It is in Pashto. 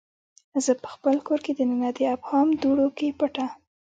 زه پخپل کور کې دننه د ابهام دوړو کې پټه